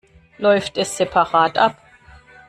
Läuft es separat ab?